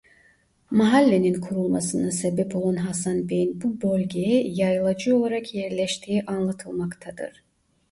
Mahallenin kurulmasına sebep olan Hasan Bey'in bu bölgeye yaylacı olarak yerleştiği anlatılmaktadır.